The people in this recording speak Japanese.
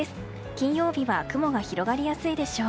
金曜日は雲が広がりやすいでしょう。